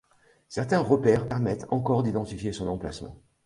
Certains repères permettent encore d’identifier son emplacement.